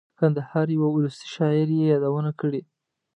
کندهار یوه اولسي شاعر یې یادونه کړې.